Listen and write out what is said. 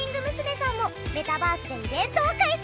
さんもメタバースでイベントを開催。